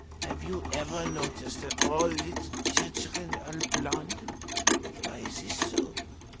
Have you ever noticed that all little children are blond? Why is it so?